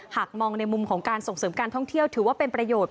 หากมองในมุมของการส่งเสริมการท่องเที่ยวถือว่าเป็นประโยชน์